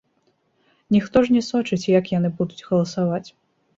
Ніхто ж не сочыць, як яны будуць галасаваць.